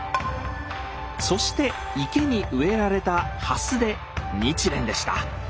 そして池に植えられた「蓮」で「日蓮」でした。